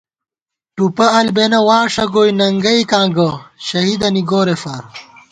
ٹُوپہ البېنہ واݭہ گوئےننگئیکاں گہ شہیدَنی گورېفار